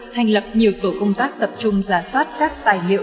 thành lập nhiều tổ công tác tập trung giả soát các tài liệu